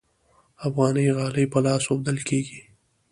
افغاني غالۍ په لاس اوبدل کیږي